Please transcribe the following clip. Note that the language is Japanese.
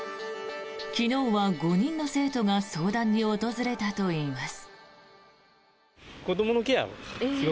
昨日は５人の生徒が相談に訪れたといいます。